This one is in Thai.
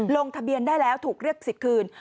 ลงทะเบียนได้แล้วถูกเรียกสิทธิ์คืน